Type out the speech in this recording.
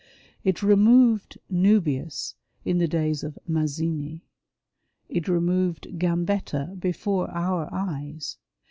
It '' removed " Nuhius in the days of Mazzini. It " removed " Gambetta before our eyes.